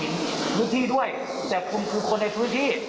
พลังพื้นที่ด้วยแต่กูงคือคนในพลังพื้นที่